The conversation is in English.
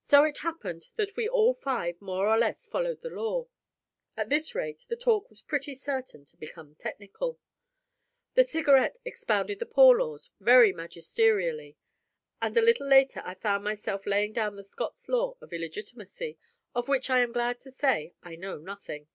So it happened that we all five more or less followed the law. At this rate, the talk was pretty certain to become technical. The Cigarette expounded the Poor Laws very magisterially. And a little later I found myself laying down the Scots Law of Illegitimacy, of which I am glad to say I know nothing.